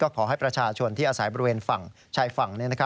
ขอให้ประชาชนที่อาศัยบริเวณฝั่งชายฝั่ง